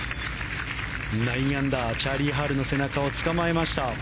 ９アンダー、チャーリー・ハルの背中を捕まえました。